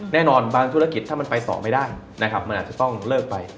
แน่นอนบางธุรกิจถ้ามันไปต่อไม่ได้มันอาจจะต้องเลิกไป